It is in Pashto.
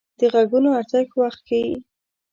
د غږونو ارزښت وخت ښيي